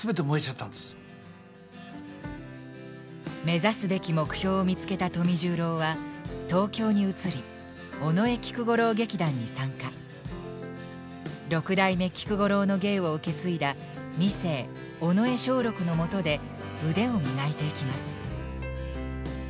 目指すべき目標を見つけた富十郎は六代目菊五郎の芸を受け継いだ二世尾上松緑のもとで腕を磨いていきます。